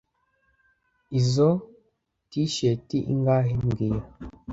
Izoi T-shirt ingahe mbwira